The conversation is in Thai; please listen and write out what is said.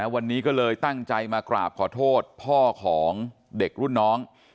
วันนี้ก็เลยตั้งใจมากราบขอโทษพ่อของเด็กรุ่นน้อง